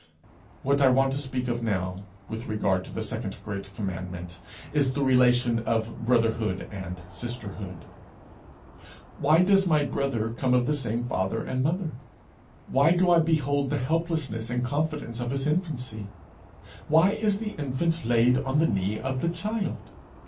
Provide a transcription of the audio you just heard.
What I want to speak of now, with regard to the second great commandment, is the relation of brotherhood and sisterhood. Why does my brother come of the same father and mother? Why do I behold the helplessness and confidence of his infancy? Why is the infant laid on the knee of the child?